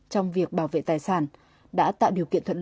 trong việc bảo vệ tài sản đã tạo điều kiện thuận lợi